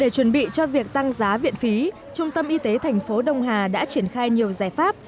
trong giá viện phí trung tâm y tế tp đông hà đã triển khai nhiều giải pháp